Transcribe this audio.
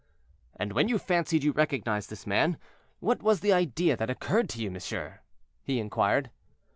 "And when you fancied you recognized this man, what was the idea that occurred to you, monsieur?" he inquired.